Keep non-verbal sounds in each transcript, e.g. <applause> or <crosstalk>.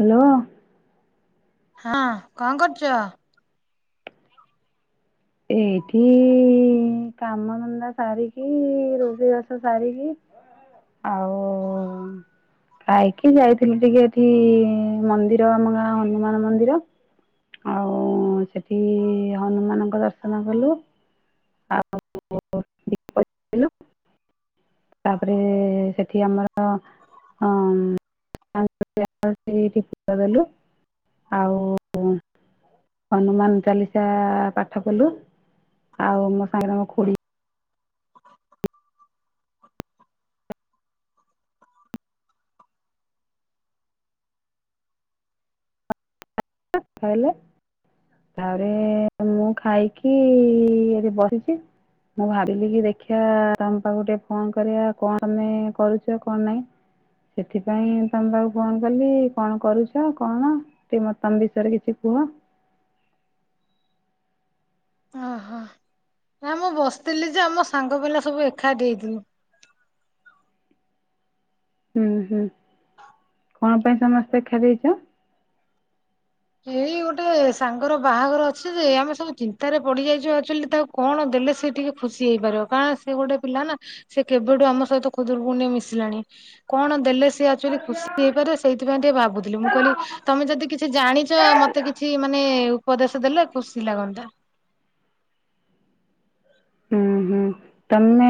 Hello. ହଁ କଣ କରୁଚ? ଏଇଠି କାମଧନ୍ଦା ସାରିକି ରୋଷେଇବାସ ସାରିକି ଆଉ ଖାଇକି ଯାଇଥିଲୁ ଟିକେ ଏଠି ମନ୍ଦିର ଆମ ଗାଁ ହନୁମାନ ମନ୍ଦିର। ଆଉ ସେଠି ହନୁମାନଙ୍କର ଦର୍ଶନ କଲୁ। <unintelligible> ତାପରେ ସେଠି ଆମର ଅ। <unintelligible> ଆଉ ହନୁମାନ ଚାଲିସା କଲୁ। ଆଉ ମୋ ସାଙ୍ଗ ଙ୍କ ଖୁଡ଼ି କଥା ହେଲେ। ତାପରେ ମୁଁ ଖାଇକି ଏଠି ବସିଚି। ମୁଁ ଭାବିଲି କି ଦେଖିବା ତମ ପାଖକୁ ଟିକେ ଫୋନ କରିବା କଣ ତମେ କରୁଚ କଣ ନାଇଁ। ସେଥିପାଇଁ ତମ ପାଖକୁ ଫୋନ କଲି କଣ କରୁଚ କଣ। ତମ ବିଷୟରେ କିଛି କୁହ। ଅ ହ। ନା ମୁଁ ବସିଥିଲି ଯେ ଆମ ସାଙ୍ଗ ପିଲା ସବୁ ଏକାଠି ହେଇଥିନୁ। ଉଁ ହୁଁ। କଣ ପାଇଁ ସମସ୍ତେ ଏକାଠି ହେଇଚ? ଏଇ ଗୋଟେ ସାଙ୍ଗର ବାହାଘର ଅଛି ଯେ ଆମେ ସବୁ ଚିନ୍ତାରେ ପଡି ଯାଇଛୁ ଆକ୍ଚୁଆଲି ତା କଣ ଦେଲେ ସେ ଟିକେ ଖୁସି ହେଇପାରିବ। କାରଣ ସେ ଗୋଟେ ପିଲା ନା ସେ କେବେଠୁ ଆମ ସହିତ ଖୁଦୁରୁକୁଣୀ ରେ ମିଶିଲାଣି। କଣ ଦେଲେ ସିଏ ଆକ୍ଚୁଆଲି ଖୁସି ହେଇପାରେ। ସେଇଥିପାଇଁ ଟିକେ ଭାବୁଥିଲି। ମୁଁ କହିଲି ତମେ ଯଦି କିଛି ଜାଣି ଚ ମତେ କିଛି ମାନେ ଉପଦେଶ ଦେଲେ ଖୁସି ଲାଗନ୍ତା। ହୁଁ ହୁଁ। ତମେ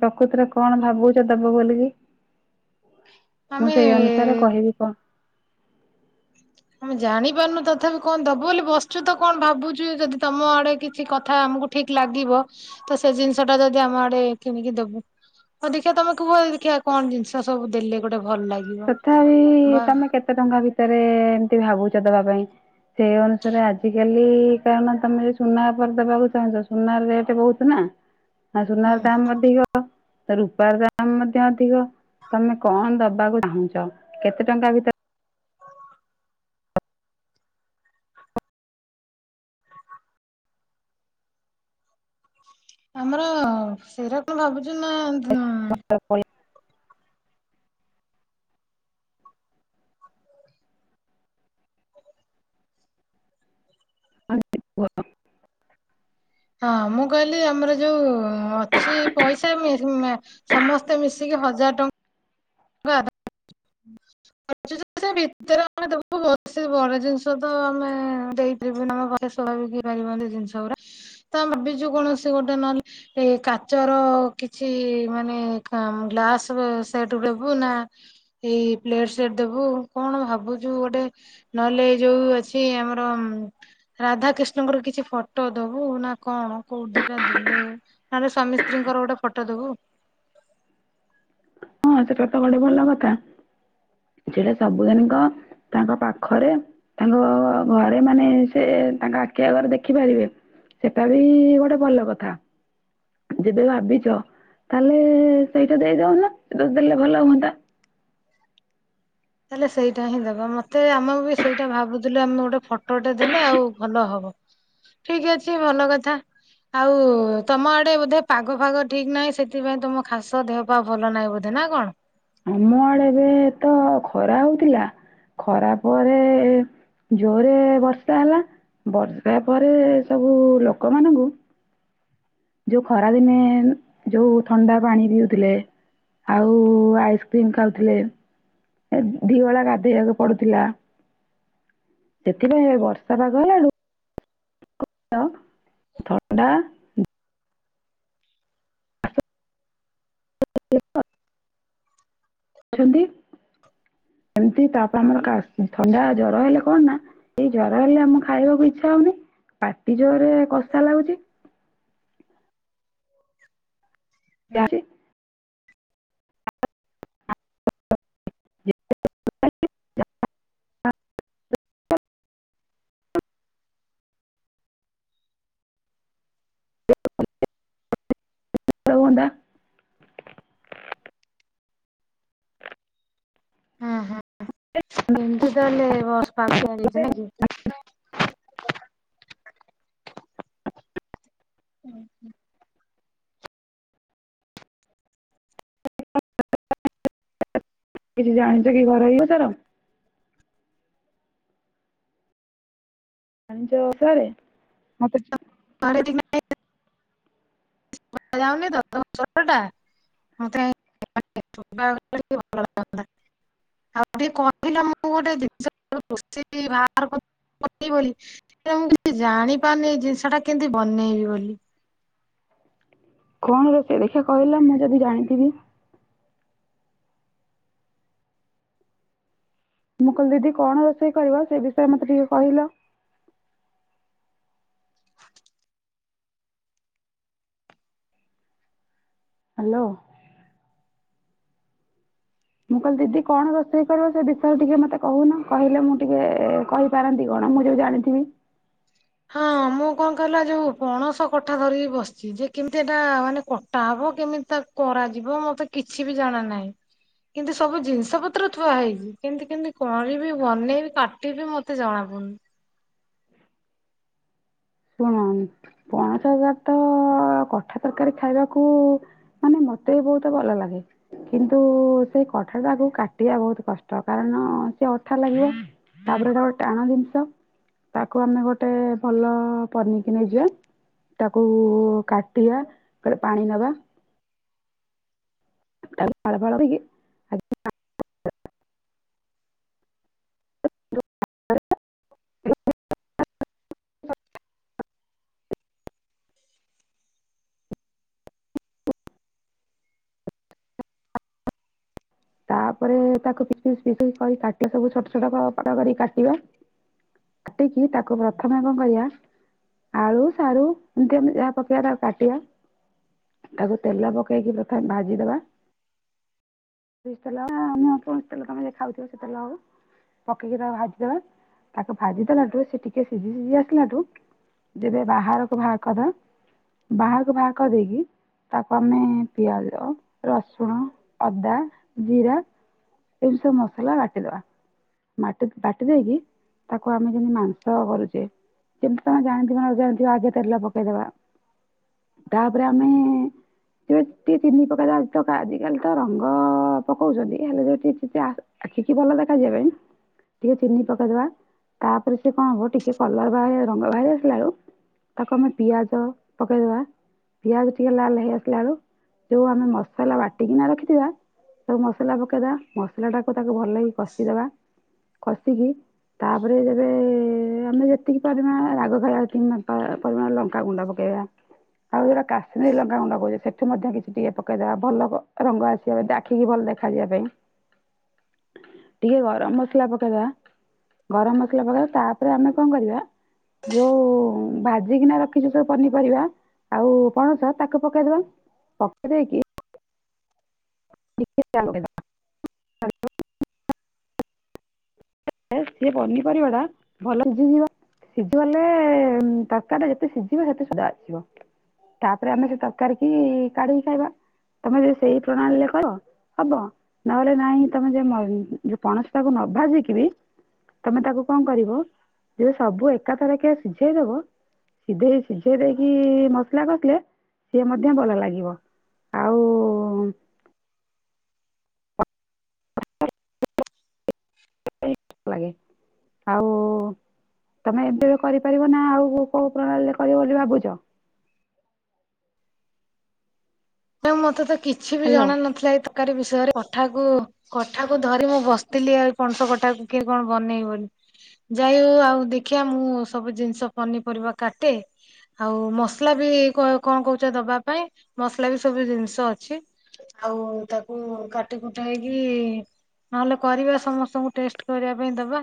ପ୍ରକୃତରେ କଣ ଭାବୁଛ ଦବ ବୋଲିକି। ମୁଁ ସେଇ ଅନୁସାରେ ଆମେ କହିବି କଣ। ଆମେ ଜାଣି ପାରୁନୁ ତଥାପି କଣ ଦବୁ ବୋଲି ବସୁଛୁ ତ କଣ ଭାବୁଛୁ ଯଦି ତମ ଆଡେ କିଛି କଥା ଆମକୁ। ଠିକ ଲାଗିବ ତ ସେ ଜିନିଷ ଟା ଯଦି ଆମ ଆଡେ କିଣିକି ଦେବୁ। ହଉ ଦେଖିଆ ତମେ କୁହ ଦେଖିବା କଣ ଜିନିଷ ସବୁ ଦେଲେ ଗୋଟେ ଭଲ ଲାଗେ। ତଥାପି ତମେ କେତେ ଟଙ୍କା ଭିତରେ ଏମତି ଭାବୁଛ ଦବା ପାଇଁ। ସେଇ ଅନୁସାରେ ଆଜିକାଲି କାରଣ ତମେ ଯ ସୁନା ଉପରେ ଦେବାକୁ ଚାହୁଁଛ। ନା ଆ ସୁନାର ହୁଁ ଦାମ ଅଧିକ। ରୂପାର ଦାମ ମଧ୍ୟ ଅଧିକ ତମେ କଣ ଦବାକୁ। ଚାହୁଁଛ କେତେ ଟଙ୍କା ଭିତରେ ଆମର ସେଇରକମ ଭାବୁଛୁ ନା। <unintelligible> <unintelligible> ହଁ ମୁଁ କହିଲି ଆମର ଯୋଉ ଅଛି ପଇସା ମେ ମା ସମସ୍ତେ ମିଶିକି ହଜାର ଟଙ୍କା ସେ ଭିତରେ ଆମେ ଦେବୁ ବ ବଡ ଜିନିଷ ତ ଆମେ ଦେଇପାରିବୁନି। ସଵଭାବିକ ହେଇ ପାରିବ ଜିନିଷ ଗୁରା ତ ଆମେ ଭାବିଛୁ କୌଣସି ଗୋଟେ ନହେଲେ। ଏ କାଚର କିଛି ମାନେ କା ଗ୍ଲାସ ସେ ବୁ ନା ଏଇ ପ୍ଲେଟ ସେଟ ଦେବୁ କଣ ଭାବୁଛୁ ଗୋଟେ ନହେଲେ ଏ ଯୋଉ ଅଛି ଆମର ରାଧା କୃିଷ୍ଣଙ୍କର କିଛି ଫଟୋ ଦବୁ ନା କଣ କୋଉ ଦିଟା ଦେଲେ। ନହେଲେ ସ୍ୱାମୀ ସ୍ତ୍ରୀଙ୍କର ଗୋଟେ ଫଟୋ ଦବୁ। ହଁ ସେଟା ତ ଗୋଟେ ଭଲ କଥା ସେଟା ସବୁ ଦିନିଙ୍କ ତାଙ୍କ ପାଖରେ। ତାଙ୍କ ଘରେ ମାନେ ସେ ତାଙ୍କ ଆଖିଆଗରେ ଘରେ ଦେଖି ପାରିବେ। ସେଟା ବି ଗୋଟେ ଭଲ କଥା। ଯେବେ ଭାବିଛ ତାହେଲେ ସେଇଟା ଦେଇଦଉନ ଦେଲେ ଭଲ ହୁଅନ୍ତା। ତାହେଲେ ସେଇଟା ହିଁ ଦେବା ମତେ ଆମକୁ ବି ସେଇଟା ଭାବୁଥିଲୁ ଆମେ ଗୋଟେ ଫଟୋଟେ ଦେଲେ ଆଉ ଭଲ ହବ। ଠିକ ଅଛି ଭଲ କଥା। ଆଉ ତମ ଆଡେ ବୋଧେ ପାଗ ଫାଗ ଠିକ ନାହିଁ ସେଥିପାଇଁ ତମ ଖାସ ଦେହ ଭଲ ନାହିଁ ବୋଧେ ନା କଣ? ଅମଆଡ ଏବେ ତ ଖରା ହଉଥିଲା ଖରା ପରେ ଜୋରରେ ବର୍ଷା ହେଲା ବର୍ଷା ପରେ ସବୁ ଲୋକମାନଙ୍କୁ। ଯୋଉ ଖରା ଦିନେ ଯୋଉ ଥଣ୍ଡା ପାଣି ପିଉଥିଲେ। ଆଉ ଆଇସ୍କ୍ରିମ୍ ଖାଉଥିଲେ। ଦି ଭଳା ଗାଧେଇବାକୁ ପଡୁଥିଲା। ସେଥିପାଇଁ ବର୍ଷା ପାଗ ହେଲାଠୁ। ହ୍ୟାଲୋ ଥାଣ୍ଡା ଅଛନ୍ତି ଏମତି ତାପରେ ଆମର କା ଥଣ୍ଡା ଜର ହେଲେ କଣ ନା। ଏଇ ଜର ହେଲେ ଆମ ଖାଇବାକୁ ଇଚ୍ଛା ହଉନି ପାଟି ଜୋରରେ କଷା ଲାଗୁଛି। ଯାରେ <unintelligible> <unintelligible> ହଁ ହଁ କେମିତି ତାହଲେ ବସ୍ ପାଖ <unintelligible> ନାକି? ହୁଁ ହୁଁ। କିଛି ଜାଣିଛ କି ଘରୋଇ ଉପଚାର? <unintelligible> ସାରେ ମତେ। <unintelligible> ଯାଉନି ତ ଛଟା <unintelligible> ଆଉ ଟିକେ କହିଲ ମୁଁ ଗୋଟେ ଜିନିଷୋଷେଇ ବା ବୋଲି। ମୁଁ କିଛି ଜାଣିପାରୁନି ଏ ଜିନିଷ ଟା କେମିତି ବନେଇବି ବୋଲି। କଣ ର ସେ ଦେଖିବା କହିଲା ମୁଁ ଯଦି ଜାଣିଥିବି। ମୁଁ କହିଲି ଦିଦି କଣ ରୋଷେଇ କରିବାିବ ସେ ବିଷୟରେ ମତେ ଟିକେ କହିଲ। ହ୍ୟାଲୋ। ମୁଁ କହିଲି ଦିଦି କଣ ରୋଷେଇ କରିବ ସେ ବିଷୟରେ ଟିକେ ମତେ କହୁନ କିଲେ ମୁଁ ଟିକେ କହିବି। ପାରନ୍ତି କଣ ମୁଁ ଯୋଉ ଜାଣିଥିବି। ହଁ ମୁଁ କଣ କହିଲା ଯୋଉ ପଣସ କଠା ଧରିକି ବସିଛି ଯେ କେମିତି ଏଟା ମାନେ ଟବ କେମିତି ତା କରାଯିବ ମତେ କିଛି ବି ଜାଣା ନାହିଁ। କିନ୍ତୁ ସବୁ ଜିନିଷ ପତ୍ର ଥୁଆ ହେଇଛି କେମତି କେମତି କରିବି ବନେଇବି କାଟିବି ମତେ ଜଣା ପୁନି ଶୁଣ ପଣସ ହଜାର ତ କଠା ତରକାରୀ ଖାଇବାକୁ। ମାନେ ମତେ ବି ବହୁତ ଭଲ ଲାଗେ। କିନ୍ତୁ ସେଇ କଠାଟାକୁ କାଟିବା ବହୁତ କଷ୍ଟ କାରଣ ସେି ଅଠା ଲାଗିବ। ତାପରେ ଗଟା ଗୋଟେ ଟାଣ ଜିନିଷ ତାକୁ ଆମେ ଗୋଟେ ଭଲ। ପନିକି ନେଇଯିବା ତାକୁ କାଟିବା ଗଟେ ପାଣି ନବା। ପାଳ ପାଳ। ତାପରେ ତାକୁିି କରି କାଟିବା ସବୁ ଛୋଟ ଛୋଟ କର କାଟିବା। କାଟିକି ତାକୁ ପ୍ରଥମେ କଣ କରିବା। ଆଳୁ ସାରୁ ଏମିତି ଆମେ ଯାହା ପକେଇବା ତାକୁ କାଟିବା। ତାକୁ ତେଲ ପକାଇକି ପ୍ରଥମେ ଭାଜିଦେବା। ମ କଣ ତ ତମେ ଦେଖାଉଥିବ ସେତେଳେ ହବ। ପକେଇକିବା ଭାଜିଦେବା ତାକୁ ଭାଜି ଦେଲାଠୁ ସେ ଟିକେ ସିଝି ସିଝି ଆସିଲାଠୁ। ଯେବେ ବାହାରକୁ ବାହା କରିଦ ବାହାରକୁ ବାହା କରିଦେଇକି। ତାକୁ ଆମେ ପିଆଜ ରସୁଣ ଅଦା। ଜିରା ଏମ ସବୁ ମସଲା ବାାତିଦବା। ମାଟି ବାଟି ଦେଇକି ତାକୁ ଆମେ ଯେମିତି ମାଂସ କରୁଛେ। ଯେମିତି ତମେ ଜାଣିଥିବ ନ ଜାଣିଥିବ ଆଗେ ତେଲ ପକେଇଦବା। ତାପରେ ଆମେ ସେେ ତିନି ପକା ଯାଉକା ଆଜିକାଲି ତ ରଙ୍ଗ। ପକଉ ଯଦି ହେଲେ ଯଦ ଶିକିିବ ଦେଖାଯିବା ପାଇଁ। ଟିକେ ଚିନି ପକେଇଦବା ତାପରେ ସେ କଣ ହବ ଟିକେ କଲର ବା ରଙ୍ଗ ବାହାରି ଆସିଲା ବଳୁ। ତାକୁ ଆମେ ପିଆଜ ପକାଇଦେବା। ପିଆଜ ଟିକିେ ଲାଲ ହେଇଆସିଲା ବଳୁ ଯେଉଁ ଆମେ ମସଲା ବାଟିକିନା ରଖିଥିବା। ତାବୁ ମସଲା ପକେଇଦବା ମସଲାଟାକୁ ତାକୁ ଭଲ ହେଇି କଷିଦବା କଷିକି। ତାପରେ ଯେବେ ଆମେ ଯେତିକି ପରିମାଣ ରାଗ ଖାଇବା ପରିମାଣ ଲଙ୍କା ଗୁଣ୍ଡ ପକେଇବା। ଆଉ ଯୋଉଟା କାଶ୍ମୀର ଲଙ୍ଗା ଗୁଣ୍ଡ କହୁଛେ ସେଠୁ ମଧ୍ୟ କିଛି ଟିକେ ପକେଇଦବା ଭଲ ରଙ୍ଗ ଆସିବା। ରଖିକି ଭଲ ଦେଖାଯିବା ପାଇଁ ଟିକେ ଗରମ ମସଲା ପକେଇବା। ଗରମ ମସଲା ପକେଇବା ତାପରେ ଆମେ କଣ କରିବା। ଯୋଉ ଭାଜିିକିନା ରଖିଛୁ ସବୁ ପନିପରିବା। ଆଉ ପଣସ ତାକୁ ପକେଇଦବା ପକେଇଦେଇକି। ଟିକେ ଚା। ସେ ପନିପରିବା ଟା ଭଲ ଭଜିଯିବ। ସିଝିଗଲେ ତରକାରୀ ଟା ଯେତେ ସିଝିବ ସେତେ ସୁଧା ଆସିବ। ତାପରେ ଆମେ ସେ ତରକାରୀ କି କାଢିକି ଖାଇବା ତମେ ଯଦି ସେଇ ପ୍ରଣାଳୀରେ କର। ହବ ନହେଲେ ନାଇ ତମେ ଯ ଯ ପଣସ ତାାକୁ ନ ଭାଜିକ ବି। ତମେ ତାକୁ କଣ କରିବ ଯେ ସବୁ ଏକାଥରେ କି ସିଝେଇଦବ। ସିଝେଇ ସିଝେଇ ଦେଇକି ମସଲା କସିଲେ ସିଏ ମଧ୍ୟ ଭଲ ଲାଗିବ। ଆଉ। ଲାଗେ ଆଉ। ତମେ ଏବେ ବି କରିପାରିବ ନା ଆଉଉ କୋଉ ପ୍ରଣାଳୀରେ କରିବ ବୋଲି ଭାବୁଛ। ମତେ ତ କିଛି ବି ହ୍ୟାଲୋ ଜଣ ନଥିଲା ଏଇ ତରକାରୀ ବିଷୟରେ କଠାକୁ। କଠା କୁ ଧରି ମୁଁ ବସିଥିଲି ଆଉ ପଣସ କଠାକୁ କିଏ କଣ ବନେଇବ ବୋଲି। ଯାଇ ହଉ ଆଉ ଦେଖିବା ମୁଁ ସବୁ ଜିନିଷ ପନିପରିବା କାଟେ। ଆଉ ମସଲା ବି କ -କଣ କହୁଚ ଦବା ପାଇଁ ମସଲା ବି ସବୁ ଜିନିଷ ଅଛି। ଆଉ ତାକୁ କାଟି କୁଟା ହେଇକି ନହେଲେ କରିବା ସମସ୍ତଙ୍କୁ ଟେଷ୍ଟ କରିବା ପାଇଁ ଦବା।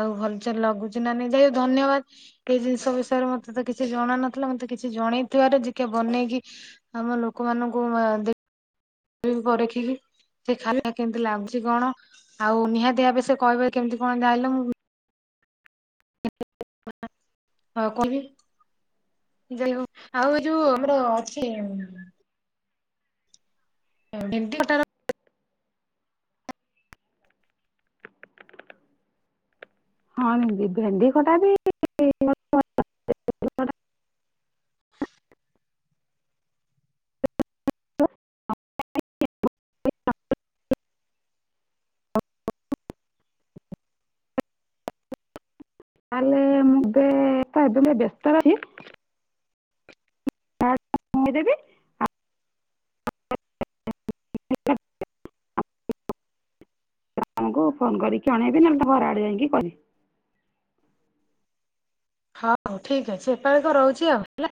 ଆଉ ଭଲସେ ଲଗୁଚି ନା ନାଇଁ ଯାଇ ଧନ୍ୟବାଦ। ସେଇ ଜିନିଷ ବିଷୟରେ ମତେ ତ କିଛି ଜଣା ନଥିଲା ମତେ କିଛି ଜଣେଇଥିବାର ଯିକେ ବନେଇକି ଆମ ଲୋକମାନଙ୍କୁ ଆ ଦେ <unintelligible> ପରଖିକି। ସେ ଖା କେମିତି ଲାଗୁଚି କଣ ଆଉ ନିହାତି ଭାବେ ସେ କହିବେ କେମିତି କଣ ଯାଇଁଲ ମୁଁ ହଁ କହିବି। ଯାଇ ହଉ ଆଉ ଯୋଉ ଆମର ଅଛି <inaudible> ହଁ ଦିଦି ଭେଣ୍ଡି ଖଟା ବି। <unintelligible> ତାହଲେ ମୁଁ ଏବେ ତ ଏବେ <unintelligible> ବ୍ୟସ୍ତ ରହିବି। <inaudible> <inaudible> ମା ଙ୍କୁ ଫୋନ କରିକି ଜଣେଇବି ନହେଲେ ତ ଘର ଆଡେ ଯାଇକି କହିବି। ହଉ ହଉ ଠିକ ଅଛି ହେତେବେଳେ ତ ରହୁଚି ଆଉ ହେଲା।